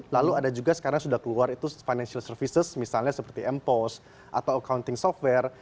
lalu ada juga sekarang sudah keluar itu financial services misalnya seperti m post atau accounting software